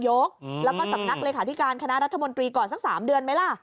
แล้วก็สำนักเลขาธิการคณะรัฐมนตรีก่อนสัก๓เดือนไหมล่ะ